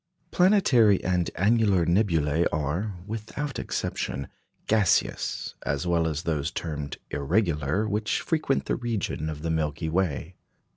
Planetary and annular nebulæ are, without exception, gaseous, as well as those termed "irregular," which frequent the region of the Milky Way.